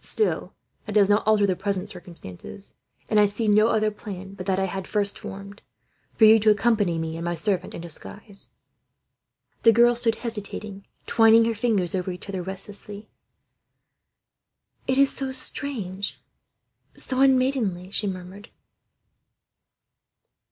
"Still, that does not alter the present circumstances; and I see no other plan but that I had first formed, for you to accompany me and my servant, in disguise." The girl stood hesitating, twining her fingers over each other, restlessly. "It is so strange, so unmaidenly," she murmured.